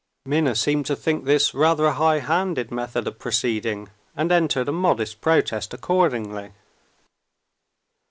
Minna seemed to think this rather a high handed method of proceeding, and entered a modest protest accordingly.